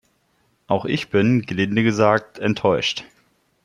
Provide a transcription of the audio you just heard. Auch ich bin, gelinde gesagt, enttäuscht.